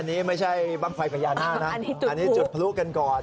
อันนี้ไม่ใช่บ้างไฟพญานาคนะอันนี้จุดพลุกันก่อน